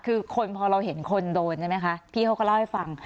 คือพอเราเห็นคนโดนพี่ก็ก็เล่าให้ฟัง